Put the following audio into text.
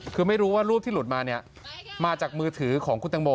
คือไม่รู้ว่ารูปที่หลุดมาเนี่ยมาจากมือถือของคุณตังโม